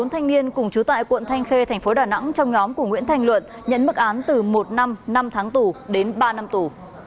bốn thanh niên cùng chú tại quận thanh khê thành phố đà nẵng trong nhóm của nguyễn thành luận nhấn mức án từ một năm năm tháng tù đến ba năm tù